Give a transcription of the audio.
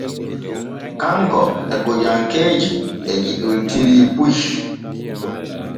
Kanko e gojankeeje ɓe yiɗontiri puy.